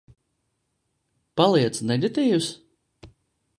Paliec negatīvs?